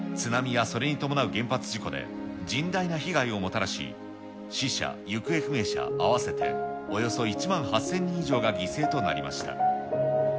津波やそれに伴う原発事故で甚大な被害をもたらし、死者・行方不明者合わせておよそ１万８０００人以上が犠牲となりました。